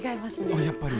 あっやっぱり。